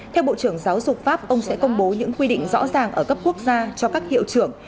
theo bộ trưởng giáo dục pháp ông sẽ công bố những quy định rõ ràng ở cấp quốc gia cho các hiệu trưởng